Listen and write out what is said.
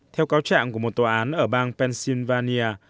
theo cáo trạng của một tòa án ở bang pennsylvania